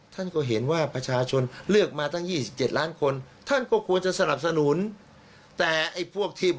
ทำไม